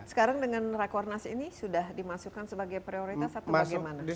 sekarang dengan rakornas ini sudah dimasukkan sebagai prioritas atau bagaimana